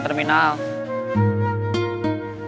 terima kasih komandan